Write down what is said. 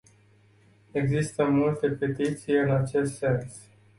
Există multe petiții în acest sens.